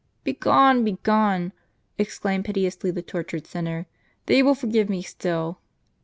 " Begone, begone," exclaimed piteously the tortured sinner. " They will forgive me still.